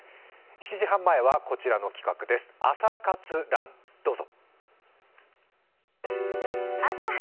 ７時半前はこちら企画です、「朝活ＲＵＮ」どうぞ。